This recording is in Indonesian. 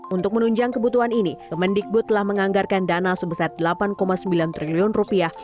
untuk menunjang kebutuhan ini kemendikbud telah menganggarkan dana sebesar delapan sembilan triliun rupiah